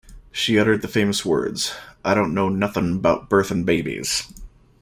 She uttered the famous words: I don't know nothin' 'bout birthin' babies!